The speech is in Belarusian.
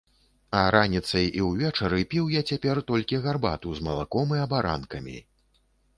А раніцай і ўвечары піў я цяпер толькі гарбату з малаком і абаранкамі.